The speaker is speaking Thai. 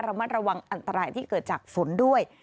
ระมัดระวังอันตรายที่เกิดจากฝนด้วย